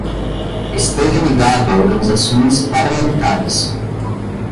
Esteve ligado a organizações paramilitares